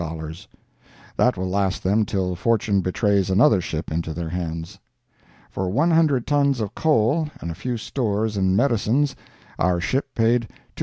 That will last them till fortune betrays another ship into their hands. For one hundred tons of coal and a few stores and medicines, our ship paid $2,011.